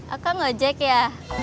aku ngejek ya